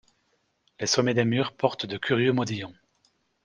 Les sommets des murs portent de curieux modillons.